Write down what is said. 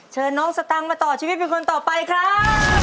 เชิญน้องสตังค์มาต่อชีวิตเป็นคนต่อไปครับ